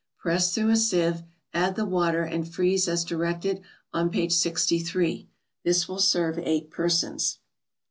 Press through a sieve, add the water, and freeze as directed on page 63. This will serve eight persons.